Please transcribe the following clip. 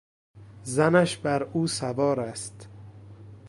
زنش بر او سوار است.